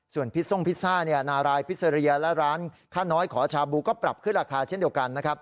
ส่วนพิส่งพิซซ่านารายพิสอเรียและร้านค่าน้อยขอชาบูก็ปรับขึ้นราคาเช่นเดียวกันนะครับ